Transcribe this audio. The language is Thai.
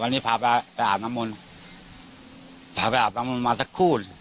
วันนี้พาไปไปอาบน้ำมนต์พาไปอาบน้ำมนต์มาสักคู่